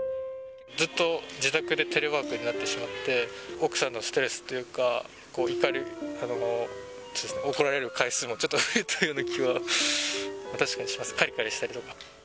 ずっと自宅でテレワークになってしまって、奥さんのストレスっていうか、怒り、怒られる回数も、ちょっと増えたような気は確かにします。